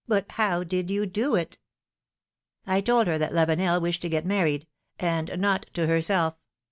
^^But how did you do it?" I told her that Lavenel wished to get married — and not to herself!"